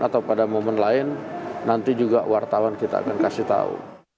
atau pada momen lain nanti juga wartawan kita akan kasih tahu